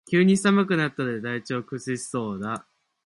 急に寒くなったので体調を崩しそうだ